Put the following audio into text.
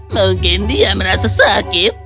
mungkin dia merasa sakit